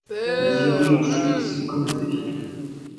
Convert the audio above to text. Il dirige ensuite ce comité.